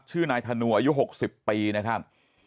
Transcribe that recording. ชื่อนายถนวะยุคหกสิบปีนะครับ